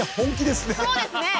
そうですね。